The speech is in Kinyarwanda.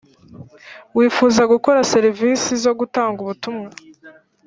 wifuza gukora serivisi zo gutanga ubutumwa